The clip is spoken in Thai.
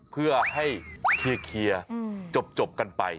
เพื่อให้เคลียร์จบกันไป